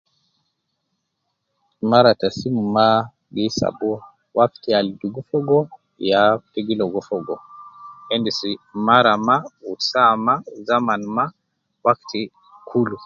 Mara ta simu ma gi hisab uwo, wakti al dugu fogo ya te gi logo fogo, endisi mara ma wu saa ma wu zaman ma wakti kulu